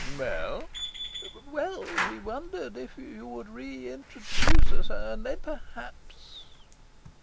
"Well?" "Well, we wondered if you would re introduce us. And then perhaps..."